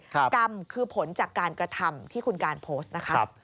กรรมคือผลจากการกระทำที่คุณการโพสต์นะคะ